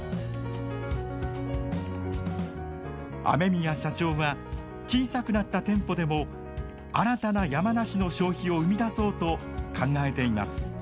雨宮社長は小さくなった店舗でも新たな山梨の消費を生み出そうと考えています。